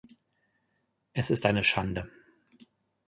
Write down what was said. Es ist eine Schande.